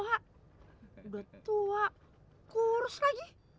udah tua kurus lagi